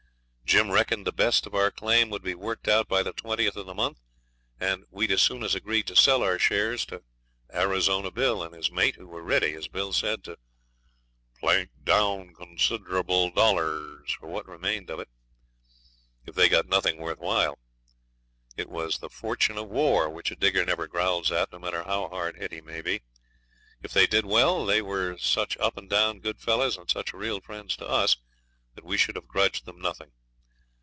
Jim reckoned the best of our claim would be worked out by the 20th of the month, and we'd as good as agreed to sell our shares to Arizona Bill and his mate, who were ready, as Bill said, 'to plank down considerable dollars' for what remained of it. If they got nothing worth while, it was the fortune of war, which a digger never growls at, no matter how hard hit he may be. If they did well, they were such up and down good fellows, and such real friends to us, that we should have grudged them nothing.